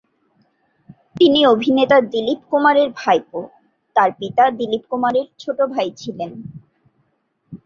তিনি অভিনেতা দিলীপ কুমারের ভাইপো, তার পিতা দিলীপ কুমারের ছোট ভাই ছিলেন।